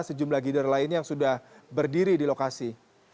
sejumlah gilder lain yang sudah berdiri di lokasi